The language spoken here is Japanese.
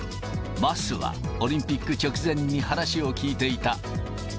桝は、オリンピック直前に話を聞いていた。